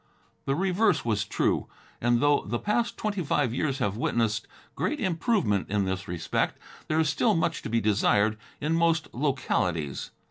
The reverse was true, and though the past twenty five years have witnessed great improvement in this respect, there is still much to be desired in most localities.